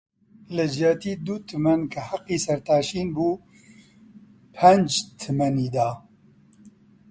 لە جیاتی دوو تمەن -کە حەقی سەرتاشین بووپنج تمەنی دا